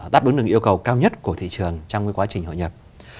đáp ứng được yêu cầu cao nhất của thị trường trong quá trình hội nhập